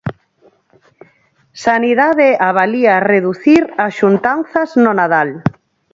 Sanidade avalía reducir as xuntanzas no Nadal.